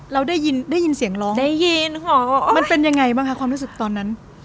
เราได้ยินเสียงร้องมันเป็นยังไงบ้างค่ะความรู้สึกตอนนั้น